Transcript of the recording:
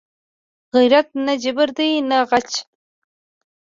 غیرت نه جبر دی نه غچ